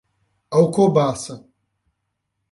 Alcobaça